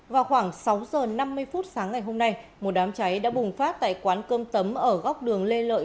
vào khoảng sáu giờ năm mươi phút sáng ngày hôm nay một đám cháy đã bùng phát tại quán cơm tấm ở góc đường lê lợi